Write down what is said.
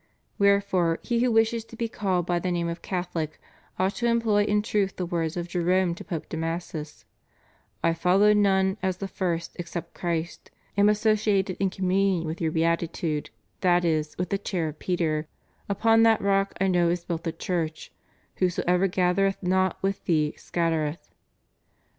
Wherefore he who wishes to be called by the name of Catholic ought to employ in truth the words of Jerome to Pope Damasus, "I following none as the first except Christ am associated in communion with your Beatitude, that is, with the Chair of Peter; upon that Rock I know is built the Church; whoever gathereth not with thee scattereth."